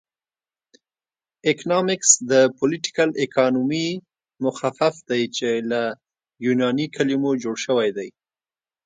اکنامکس د پولیټیکل اکانومي مخفف دی چې له یوناني کلمو جوړ شوی دی